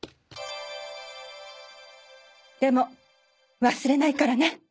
でも忘れないからね